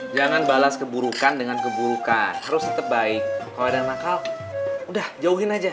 jangan balas keburukan dengan keburukan harus tetap baik kalau ada yang nakal udah jauhin aja